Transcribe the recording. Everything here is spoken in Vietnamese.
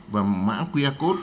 và mã qr code